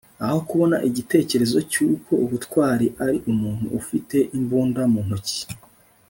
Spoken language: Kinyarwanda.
aho kubona igitekerezo cyuko ubutwari ari umuntu ufite imbunda mu ntoki